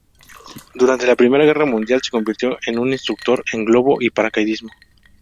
Durante la Primera Guerra Mundial, se convirtió en un instructor en globo y paracaidismo.